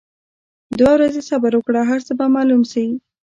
دوه ورځي صبر وکړه هرڅۀ به معلوم شي.